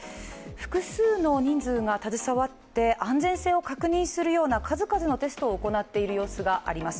複数の人数が携わって安全性を確認するような数々のテストを行っている様子があります。